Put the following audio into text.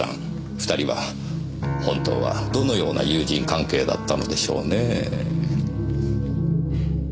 二人は本当はどのような友人関係だったのでしょうねえ。